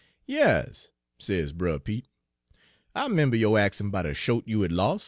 " 'Yas,' says Brer Pete, 'I 'member yo' axin' 'bout a shote you had los'.'